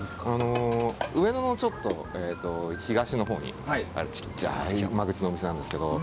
上野のちょっと東のほうにある小さい間口のお店なんですけど。